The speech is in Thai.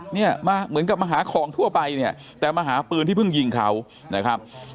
เนี่ยมาเหมือนกับมาหาของทั่วไปเนี่ยแต่มาหาปืนที่เพิ่งยิงเขานะครับ